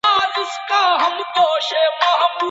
علمي سیمینار په تصادفي ډول نه ټاکل کیږي.